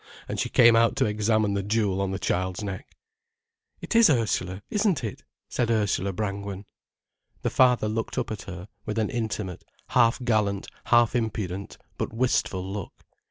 And she came out to examine the jewel on the child's neck. "It is Ursula, isn't it?" said Ursula Brangwen. The father looked up at her, with an intimate, half gallant, half impudent, but wistful look.